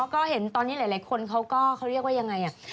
ก็เห็นตอนนี้หลายคนเขาก็เขาเรียกว่ายังไง